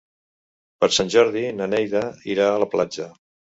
Per Sant Jordi na Neida irà a la platja.